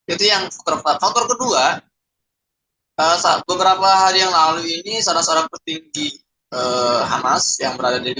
itu yang faktor kedua beberapa hari yang lalu ini saudara saudara petinggi hamas yang berada di